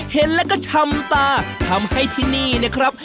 เห็นแล้วก็ชำตาทำให้ที่นี่นะครับ